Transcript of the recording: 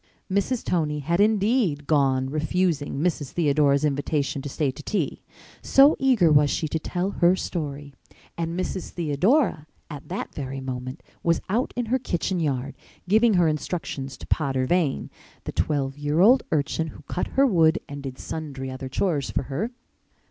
Mrs. Tony had indeed gone, refusing Mrs. Theodora's invitation to stay to tea, so eager was she to tell her story. And Mrs. Theodora, at that very minute, was out in her kitchen yard, giving her instructions to Potter Vane, the twelve year old urchin who cut her wood and did sundry other chores for her.